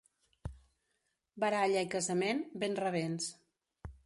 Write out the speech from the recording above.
Baralla i casament, ben rabents.